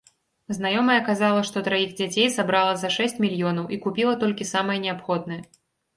Знаёмая казала, што траіх дзяцей сабрала за шэсць мільёнаў і купіла толькі самае неабходнае.